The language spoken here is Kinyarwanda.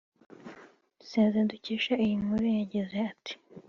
cd dukesha iyi nkuru yagize ati